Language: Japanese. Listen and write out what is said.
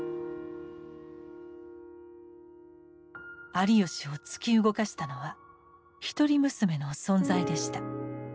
有吉を突き動かしたのは一人娘の存在でした。